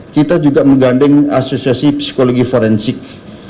kita juga menggandeng asosiasi psikologi forensik